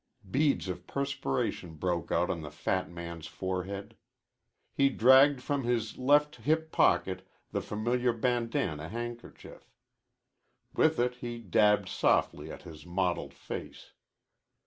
Beads of perspiration broke out on the fat man's forehead. He dragged from his left hip pocket the familiar bandanna handkerchief. With it he dabbed softly at his mottled face.